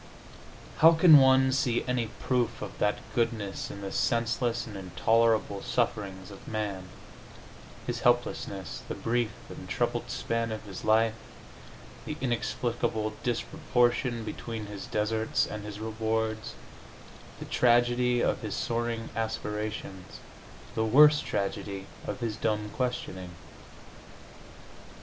How can one see any proof of that goodness in the senseless and intolerable sufferings of man his helplessness, the brief and troubled span of his life, the inexplicable disproportion between his deserts and his rewards, the tragedy of his soaring aspiration, the worse tragedy of his dumb questioning?